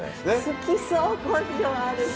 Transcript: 好きそう根性ある人。